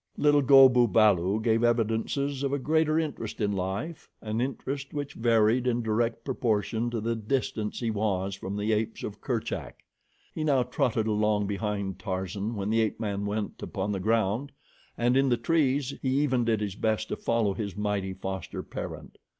Little Go bu balu gave evidences of a greater interest in life, an interest which varied in direct proportion to the distance he was from the apes of Kerchak. He now trotted along behind Tarzan when the ape man went upon the ground, and in the trees he even did his best to follow his mighty foster parent.